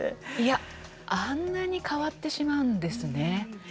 あんなに変わってしまうんですね。